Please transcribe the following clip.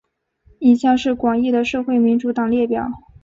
以下是广义的社会民主党列表。